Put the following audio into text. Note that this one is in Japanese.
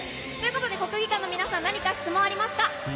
国技館の皆さん、質問ありますか？